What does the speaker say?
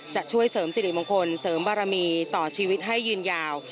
จะช่วยเสริมสิริมงคลเสริมบารมีต่อชีวิตให้ยืนยาว